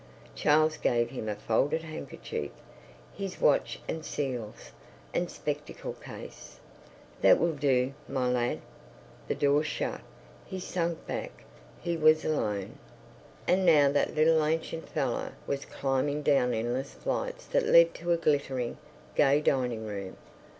Charles gave him a folded handkerchief, his watch and seals, and spectacle case. "That will do, my lad." The door shut, he sank back, he was alone.... And now that little ancient fellow was climbing down endless flights that led to a glittering, gay dining room.